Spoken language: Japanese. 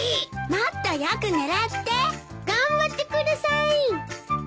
もっとよく狙って！頑張ってください！